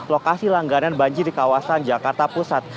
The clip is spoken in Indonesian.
lokasi langganan banjir di kawasan jakarta pusat